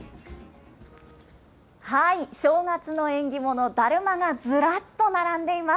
正月の縁起物、だるまがずらっと並んでいます。